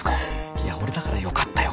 いや俺だからよかったよ。